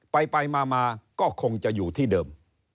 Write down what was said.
ไปมาก็คงจะอยู่ที่เดิม